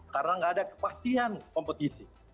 karena nggak ada kepastian kompetisi